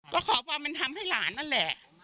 ก็ขอบอกมันทำให้หลานนั่นแหละ